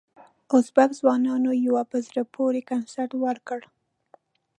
ازبک ځوانانو یو په زړه پورې کنسرت ورکړ.